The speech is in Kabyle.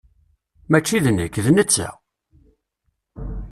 Mačči d nekk, d netta!